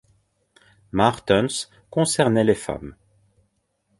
Martens concernaient les femmes.